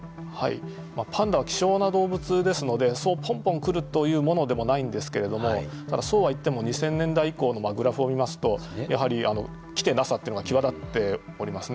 この状況をパンダは希少な動物ですのでそうぽんぽん来るというものでもないんですけれどもただ、そうは言っても２０００年代以降のグラフを見るとやはり、来てなさというのが際立っておりますね。